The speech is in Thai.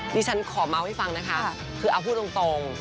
ดิฉันขอเมาส์ให้ฟังนะคะคือเอาพูดตรง